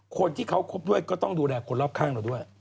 คนที่เขาคบด้วยก็ต้องดูแลคนรอบข้างเราด้วย